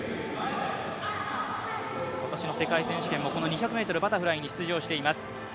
今年の世界選手権もこの２００ｍバタフライに出場してきています。